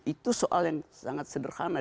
itu soal yang sangat sederhana